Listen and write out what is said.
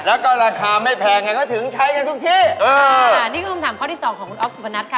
แล้วก็ราคาไม่แพงไงก็ถึงใช้กันทุกที่อ่านี่คือคำถามข้อที่สองของคุณอ๊อฟสุพนัทค่ะ